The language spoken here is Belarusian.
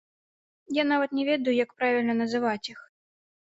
Я нават не ведаю, як правільна называць іх.